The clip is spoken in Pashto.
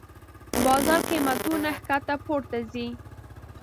بازار قېمتونه کښته پورته ځي.